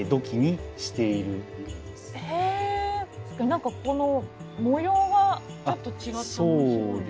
何かこの模様がちょっと違って面白い。